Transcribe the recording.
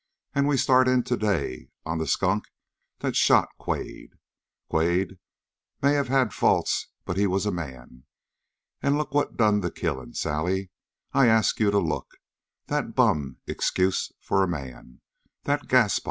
And we start in today on the skunk that shot Quade. Quade may have had faults, but he was a man. And look at what done the killing! Sally, I ask you to look! That bum excuse for a man! That Gaspar!"